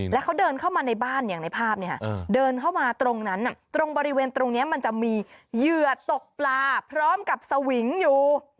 แล้วเขาเดินเข้ามาในบ้านอย่างในภาพเดินเข้ามาตรงนั้นตรงบริเวณตรงนี้มันจะมีเหยื่อตกปลาพร้อมกับสวิงอยู่